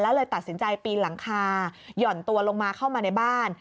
เลยตัดสินใจปีนหลังคาหย่อนตัวลงมาเข้ามาในบ้าน